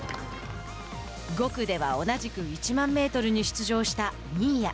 ５区では同じく１００００メートルに出場した新谷。